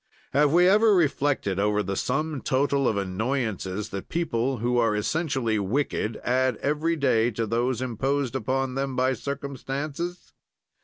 "Have we ever reflected over the sum total of annoyances that people, who are essentially wicked, add every day to those imposed upon them by circumstances?